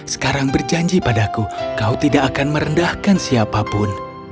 sekarang berjanji padaku kau tidak akan merendahkan siapapun